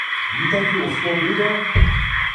Do you think he will still be there?